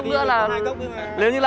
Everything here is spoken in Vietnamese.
uống thế là vừa nếu như làm hai cốc nữa là